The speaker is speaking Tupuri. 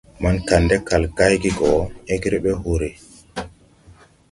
Man Kande kal gayge go, ɛgre be hore.